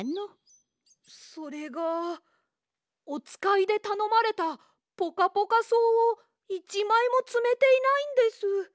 それがおつかいでたのまれたポカポカそうをいちまいもつめていないんです。